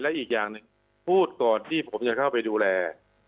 และอีกอย่างหนึ่งพูดก่อนที่ผมจะเข้าไปดูแล